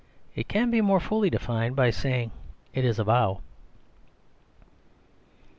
It can be more fully defined by saying it is a vow.